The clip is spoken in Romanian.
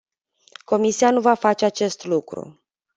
Comisia nu va face acest lucru.